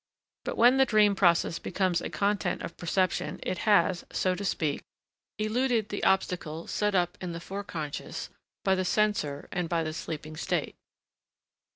But when the dream process becomes a content of perception it has, so to speak, eluded the obstacle set up in the Forec. by the censor and by the sleeping state.